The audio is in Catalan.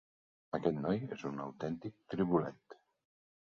Aquest noi és un autèntic tribulet.